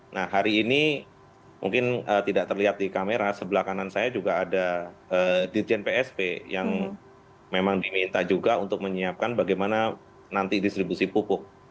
nah hari ini mungkin tidak terlihat di kamera sebelah kanan saya juga ada dirjen psp yang memang diminta juga untuk menyiapkan bagaimana nanti distribusi pupuk